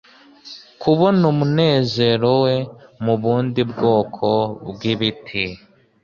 Kubona umunezero we mubundi bwoko bwibiti